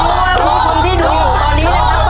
ตรงนี้ว่ามันมีชนที่ดูอยู่ตอนนี้แหละนะครับ